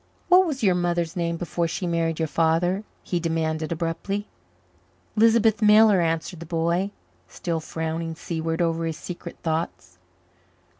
"What was your mother's name before she married your father?" he demanded abruptly. "Lisbeth Miller," answered the boy, still frowning seaward over his secret thoughts.